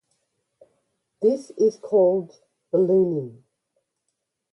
This is called ballooning.